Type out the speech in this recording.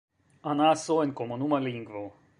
Anaso en komunuma lingvo.